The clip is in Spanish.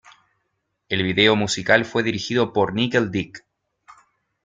El vídeo musical fue dirigido por Nigel Dick.